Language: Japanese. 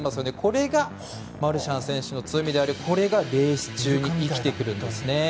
これが、マルシャン選手の強みでありこれがレース中に生きてくるんですね。